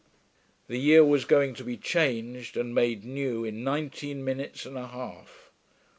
The year was going to be changed and made new in nineteen minutes and a half.